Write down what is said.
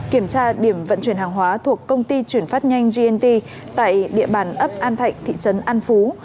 kiểm tra điểm vận chuyển hàng hóa thuộc công ty chuyển phát nhanh gnt tại địa bàn ấp an thạnh thị trấn an phú